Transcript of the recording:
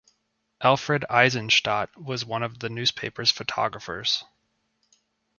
Alfred Eisenstaedt was one of the newspaper's photographers.